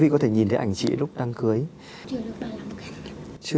và tình yêu thương thì nó phải nói thật